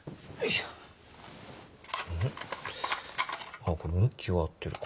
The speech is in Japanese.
あっこれ向きは合ってるか。